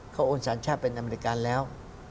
เขาโอนสัญชาติเป็นอเมริกาแล้ว